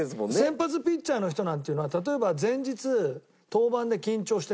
先発ピッチャーの人なんていうのは例えば前日登板で緊張して寝られません。